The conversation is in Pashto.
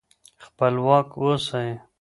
خپلواک اوسئ.